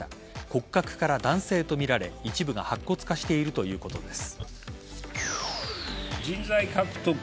骨格から男性とみられ一部が白骨化しているということです。